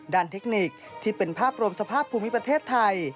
เทคนิคที่เป็นภาพรวมสภาพภูมิประเทศไทย